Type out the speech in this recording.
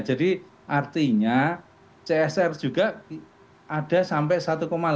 jadi artinya csr juga ada sampai satu delapan